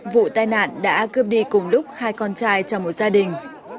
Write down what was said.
vụ tai nạn đã cướp đi cùng lúc hai con trai trong một gia đình